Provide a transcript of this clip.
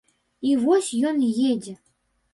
І вось ён едзе.